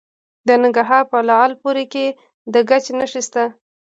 د ننګرهار په لعل پورې کې د ګچ نښې شته.